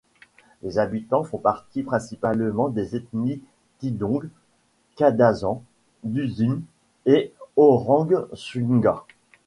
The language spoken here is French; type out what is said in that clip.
Les habitants font partie principalement des ethnies Tidong, Kadazan, Dusun et Orang Sunga.